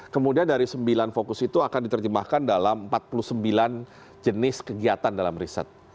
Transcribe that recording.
kemudian dari sembilan fokus itu akan diterjemahkan dalam empat puluh sembilan jenis kegiatan dalam riset